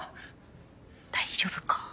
大丈夫か？